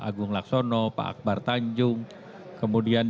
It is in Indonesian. agung laksono pak akbar tanjung kemudian